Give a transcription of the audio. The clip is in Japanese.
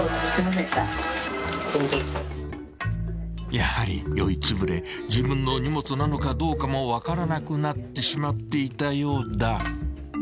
［やはり酔いつぶれ自分の荷物なのかどうかも分からなくなってしまっていたようだ］